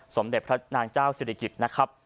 สมเด็จพระนางเจ้าศิริกิจนะครับ